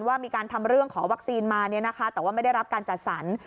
ว่ามีการทำเรื่องขอวัคซีนมาแต่ว่าไม่ได้รับการจัดสรร